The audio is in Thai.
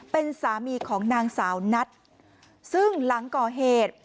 เป็นสามีของนางสาวนัทซึ่งหลังก่อเหตุ